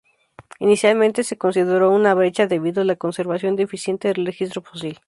Inicialmente se consideró una brecha debido a la conservación deficiente del registro fósil.